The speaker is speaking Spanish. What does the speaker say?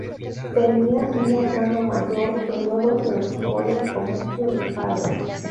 Tenía un hermano mayor, que luego se ocupó del comercio del padre.